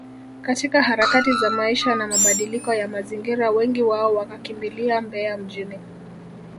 katika harakati za maisha na mabadiliko ya mazingira wengi wao wakakimbilia Mbeya mjini